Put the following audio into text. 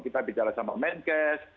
kita bicara sama menkes